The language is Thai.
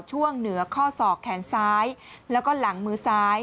ช่วงเหนือข้อศอกแขนซ้ายแล้วก็หลังมือซ้าย